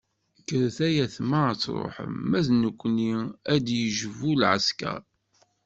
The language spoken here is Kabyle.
Kkret ay ayetma ad truḥem, ma d nekkni ad d-yejbu lɛesker.